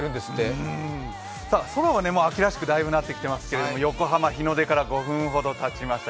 空は秋らしく、だいぶなってきましたけど横浜日の出から５分ほどたちました。